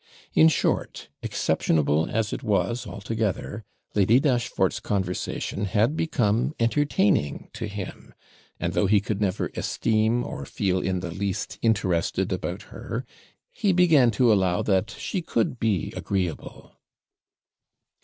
In short, exceptionable as it was altogether, Lady Dashfort's conversation had become entertaining to him; and though he could never esteem or feel in the least interested about her, he began to allow that she could be agreeable.